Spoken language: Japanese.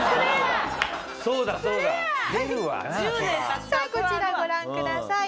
さあこちらご覧ください。